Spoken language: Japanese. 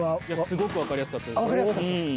すごくわかりやすかったです。